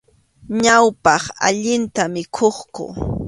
Ñawpaq, allinta mikhukuq.